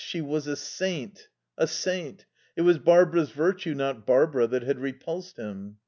She was a saint. A saint. It was Barbara's virtue, not Barbara, that had repulsed him.